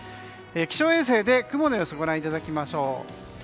気象衛星で雲の様子をご覧いただきましょう。